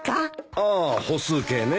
ああ歩数計ね。